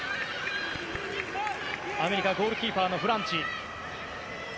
アメリカゴールキーパーのフランチ。